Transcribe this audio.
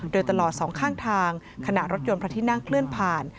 โดยตลอดสองข้างทางขณะรถยนต์พระที่นั่งเคลื่อนผ่าน